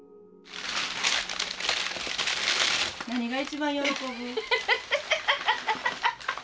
何が一番喜ぶ？